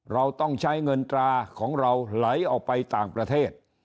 เราต้องใช้เงินตราของเราไหลออกไปต่างประเทศ